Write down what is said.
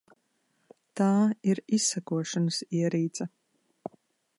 Tā ir izsekošanas ierīce.